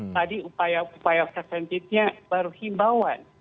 tadi upaya upaya preventifnya baru himbauan